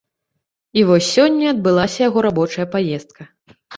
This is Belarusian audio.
І вось сёння адбылася яго рабочая паездка.